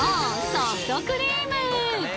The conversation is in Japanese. ソフトクリーム！